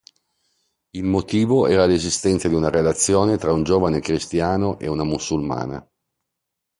Il motivo era l'esistenza di una relazione tra un giovane cristiano ed una musulmana.